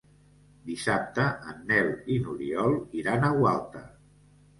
Dissabte en Nel i n'Oriol iran a Gualta.